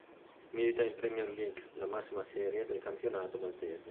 Milita in Premier League, la massima serie del campionato maltese.